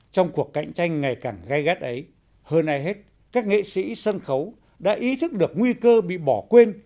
trong cuộc cạnh tranh ngày càng gai gắt ấy hơn ai hết các nghệ sĩ sân khấu đã ý thức được nguy cơ bị bỏ quên